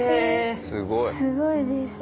すごいです。